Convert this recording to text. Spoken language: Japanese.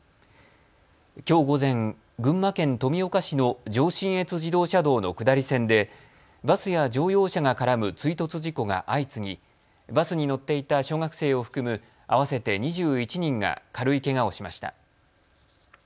きょう午前、群馬県富岡市の上信越自動車道の下り線でバスや乗用車が絡む追突事故が相次ぎバスに乗っていた小学生を含む合わせて２１人が軽いけがをしました。